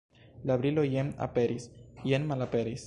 La brilo jen aperis, jen malaperis.